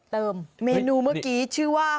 เมนูเมื่อกี้ชื่อว่า